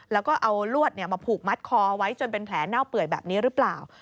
แล้วก็เอาลวดมาผูกมัดคอไว้จนเป็นแผลเน่าเปื่อยแบบนี้หรือเปล่า